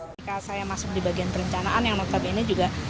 ketika saya masuk di bagian perencanaan yang notabene juga